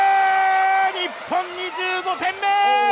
日本、２５点目！